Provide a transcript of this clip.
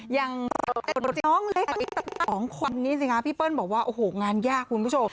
อย่างน้องเล็กสองคนนี้สิคะพี่เปิ้ลบอกว่าโอ้โหงานยากคุณผู้ชม